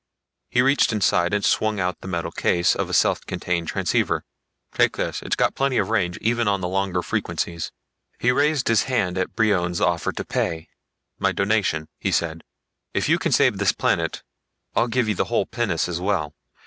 He reached inside and swung out the metal case of a self contained transceiver. "Take this, it's got plenty of range, even on the longer frequencies." He raised his hand at Brion's offer to pay. "My donation," he said. "If you can save this planet I'll give you the whole pinnace as well.